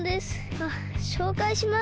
あっしょうかいします。